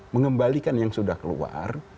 mengembalikan yang sudah keluar